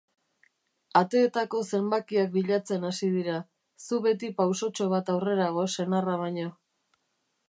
Ateetako zenbakiak bilatzen hasi dira, Zu beti pausotxo bat aurrerago senarra baino.